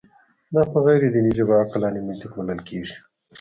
دا په غیر دیني ژبه عقلاني منطق بلل کېږي.